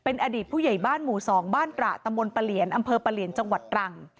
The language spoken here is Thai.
เป็นอดีตผู้ใหญ่บ้านหมู่สองบ้านประตะมนต์ประเหลียนอำเภอประเหลียนจังหวัดตรัง